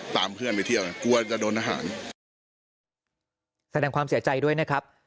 เพื่อนไปเที่ยวนะกลัวจะโดนอาหารแสดงความเสียใจด้วยนะครับ